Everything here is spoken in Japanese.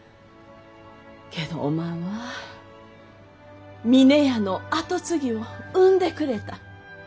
けどおまんは峰屋の跡継ぎを産んでくれた！